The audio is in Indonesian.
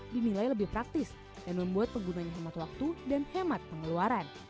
dimilai lebih praktis dan membuat penggunaan yang hemat waktu dan hemat pengeluaran